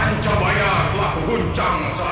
pancabaya telah berhujang saat erosional